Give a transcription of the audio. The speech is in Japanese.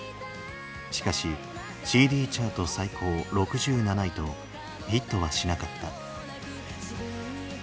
しかしＣＤチャート最高６７位とヒットはしなかった。